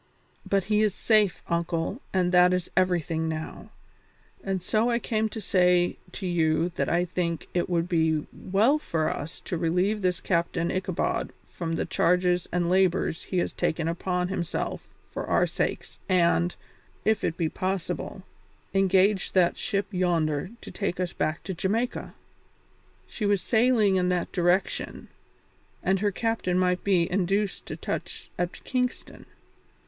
But he is safe, uncle, and that is everything now, and so I came to say to you that I think it would be well for us to relieve this kind Captain Ichabod from the charges and labours he has taken upon himself for our sakes and, if it be possible, engage that ship yonder to take us back to Jamaica; she was sailing in that direction, and her captain might be induced to touch at Kingston.